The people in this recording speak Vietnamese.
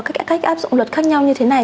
cách áp dụng luật khác nhau như thế này